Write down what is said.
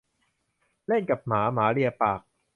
เล่นกับหมา หมาเลียปาก